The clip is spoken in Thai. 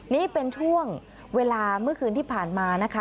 นี่เป็นช่วงเวลาเมื่อคืนที่ผ่านมานะคะ